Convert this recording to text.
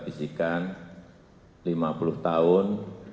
bisikan lima puluh tahun